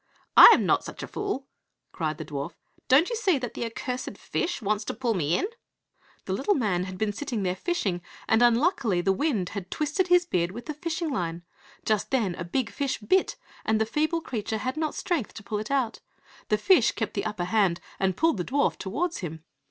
"I am not such a fool!" cried the dwarf; "don't you see that the accursed fish wants to pull me in?" The little man had been sitting there fishing, and unluckily the wind had twisted his beard with the fishing line; just then a big fish bit, and the feeble creature had not strength to pull it out; the fish kept the upper hand and pulled the dwarf towards him.